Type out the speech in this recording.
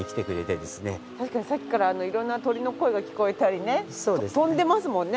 確かにさっきから色んな鳥の声が聞こえたりね飛んでますもんね